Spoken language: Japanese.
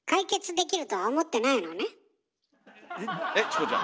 えっチコちゃん？